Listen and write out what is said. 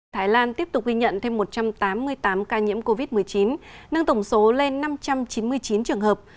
thái lan tiếp tục ghi nhận thêm một trăm tám mươi tám ca nhiễm covid một mươi chín nâng tổng số lên năm trăm chín mươi chín trường hợp